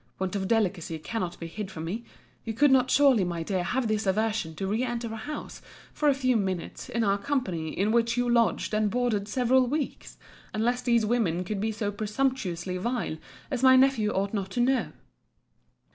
Want of delicacy cannot be hid from me. You could not surely, my dear, have this aversion to re enter a house, for a few minutes, in our company, in which you lodged and boarded several weeks, unless these women could be so presumptuously vile, as my nephew ought not to know.